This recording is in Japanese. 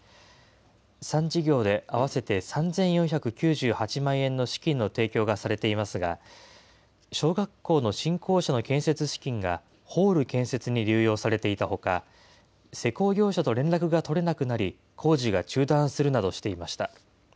３事業で合わせて３４９８万円の資金の提供がされていますが、小学校の新校舎の建設資金がホール建設に流用されていたほか、施工業者と連絡が取れなくなり、工事が中断するなどしていました。